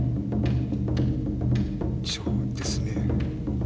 そうですねぇ。